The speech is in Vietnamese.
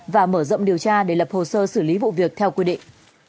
và mở rộng điều tra để lập hồ sơ xử lý vụ việc theo quy định